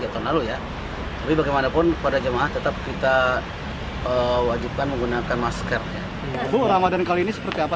tapi bagaimanapun pada jemaah tetap kita wajibkan menggunakan masker ramadhan kali ini seperti apa